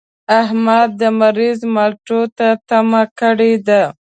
احمد د مريض مالټو ته تمه کړې ده.